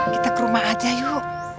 kita ke rumah aja yuk